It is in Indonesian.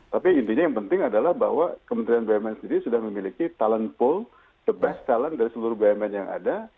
tapi intinya yang penting adalah bahwa kementerian bumn sendiri sudah memiliki talent pool the best talent dari seluruh bumn yang ada